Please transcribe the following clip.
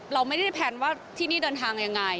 เราไม่ได้แพลนว่าที่นี่เดินทางยังไง